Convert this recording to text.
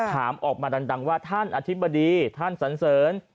ถามออกมาดังว่าท่านอธิบดีท่านสันเสริญ